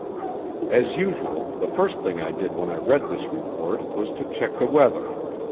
As usual, the first thing I did when I read this report was to check the weather.